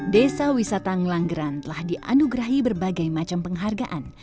desa wisata ngelanggeran telah dianugerahi berbagai macam penghargaan